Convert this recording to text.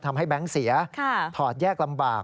ทำให้แบงค์เสียถอดแยกลำบาก